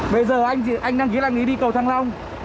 bây giờ anh đăng ký đăng ký đi cầu thăng long